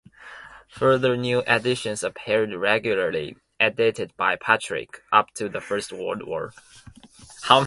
Further new editions appeared regularly, edited by Patrick, up to the First World War.